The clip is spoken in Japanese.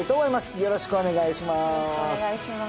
よろしくお願いします